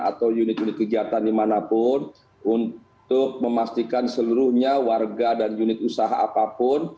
atau unit unit kegiatan dimanapun untuk memastikan seluruhnya warga dan unit usaha apapun